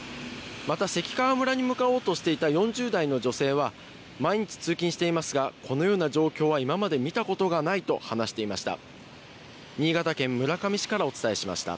また、関川村に向かおうとしていた４０代の女性は、毎日通勤していますが、このような状況は今まで見たことがないと話していました。